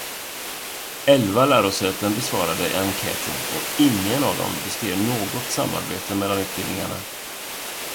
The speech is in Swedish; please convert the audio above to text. Elva lärosäten besvarade enkäten och inget av dessa beskrev något samarbete mellan utbildningarna.